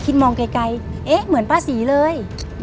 คิดมองไกลเหมือนป้าศรีเลย